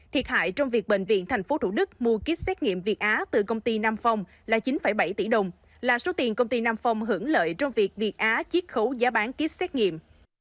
thiệt hại trong việc bệnh viện tp thủ đức mua kýt xét nghiệm việt á từ công ty nam phong là chín bảy tỷ đồng là số tiền công ty nam phong hưởng lợi trong việc việt á chiếc khấu giá bán kýt xét nghiệm